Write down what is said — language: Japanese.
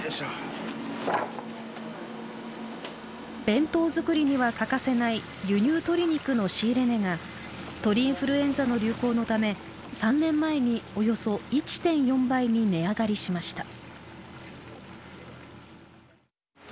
弁当作りには欠かせない輸入鶏肉の仕入れ値が鳥インフルエンザの流行のため３年前におよそ１．４倍に値上がりしました。